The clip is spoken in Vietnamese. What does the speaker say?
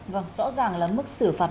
vâng rõ ràng là mức xử phạt